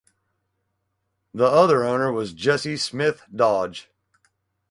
The other owner was Jesse Smith Dodge.